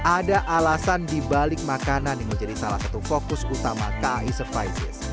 ada alasan dibalik makanan yang menjadi salah satu fokus utama kai services